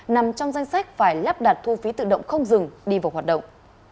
nằm trong danh sách phải lắp đặt thu phí tự động không dừng đi vào hoạt động